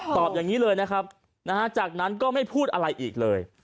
ตอบอย่างนี้เลยนะครับจากนั้นก็ไม่พูดอะไรอีกเลย